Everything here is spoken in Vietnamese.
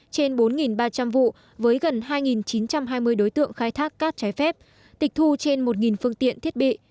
trên bốn ba trăm linh vụ với gần hai chín trăm hai mươi đối tượng khai thác cát trái phép tịch thu trên một phương tiện thiết bị